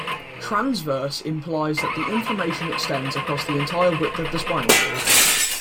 "Transverse" implies that the inflammation extends across the entire width of the spinal cord.